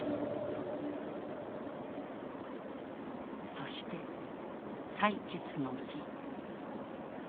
そして採決の日。